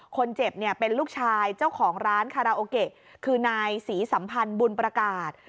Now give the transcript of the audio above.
คนเจ็บเนี่ยเป็นลูกชายเจ้าของร้านคาราโอเกะคือนายศรีสัมพันธ์บุญประกาศ